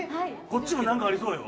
こっちも何かありそうよ。